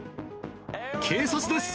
警察です。